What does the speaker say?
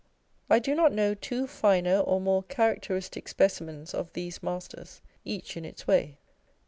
I do not know two finer or more characteristic specimens of these masters, each in its way.